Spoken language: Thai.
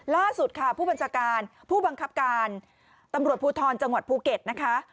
ล่าสุดค่ะผู้บังคับการตำรวจภูทรจังหวัดภูเก็ตนะคะ